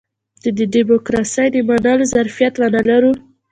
چې د ډيموکراسۍ د منلو ظرفيت ونه لرو.